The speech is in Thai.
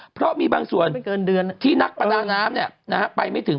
เพราะมีบางส่วนที่นักประดาน้ำไปไม่ถึง